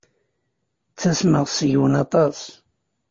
Ttasmeɣ seg-wen aṭas.